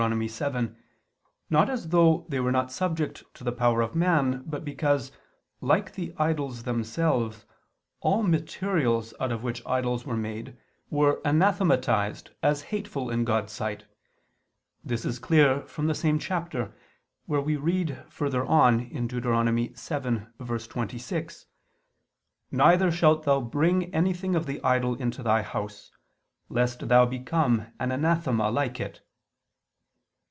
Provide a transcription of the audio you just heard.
7) not as though they were not subject to the power of man, but because, like the idols themselves, all materials out of which idols were made, were anathematized as hateful in God's sight. This is clear from the same chapter, where we read further on (Deut. 7:26): "Neither shalt thou bring anything of the idol into thy house, lest thou become an anathema like it."